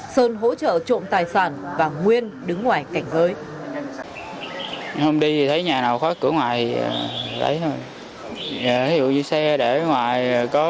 sơn hỗ trợ trộm tài sản và nguyên đứng ngoài cảnh giới